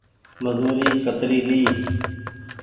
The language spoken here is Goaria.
مزوري ڪتري ليئي ۔